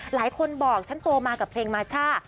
หลายคนบอกฉันโตมากับเพลงมาช่า